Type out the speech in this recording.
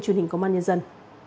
truyền hình công an nhân dân